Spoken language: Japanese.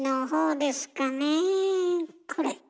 これ。